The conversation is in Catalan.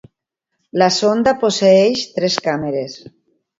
La sonda posseeix tres càmeres.